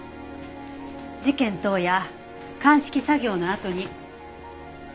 事件当夜鑑識作業のあとに。